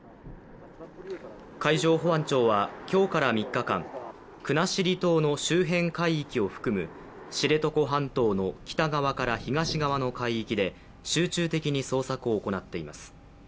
海上保安庁は今日から３日間、国後島の周辺海域を含む知床半島の北側から東側の海域で集中的に捜索を行っています。